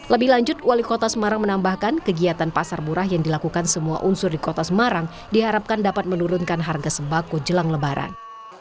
lebih lanjut wali kota semarang menambahkan kegiatan pasar murah yang dilakukan semua unsur di kota semarang diharapkan dapat menurunkan harga sembako jelang lebaran